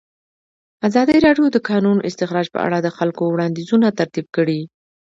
ازادي راډیو د د کانونو استخراج په اړه د خلکو وړاندیزونه ترتیب کړي.